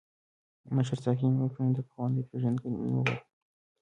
مشر ساقي مې وپیژاند، پخوانۍ پېژندګلوي مو وه.